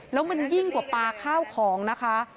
แล้วมันยิ่งกว่าปลาข้าวของนะคะ